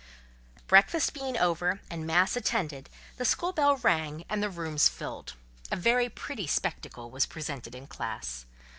Breakfast being over and mass attended, the school bell rang and the rooms filled: a very pretty spectacle was presented in classe.